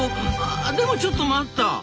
でもちょっと待った。